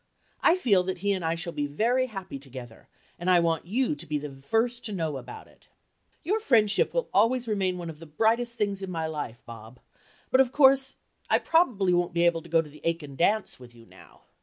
I feel that he and I shall be very happy together, and I want you to be the first to know about it. Your friendship will always remain one of the brightest things in my life, Bob, but, of course, I probably won't be able to go to the Aiken dance with you now.